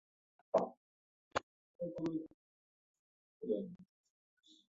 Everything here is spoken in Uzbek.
Kulfatdan hayiqma, uning ustiga to‘g‘ri bostirib bor.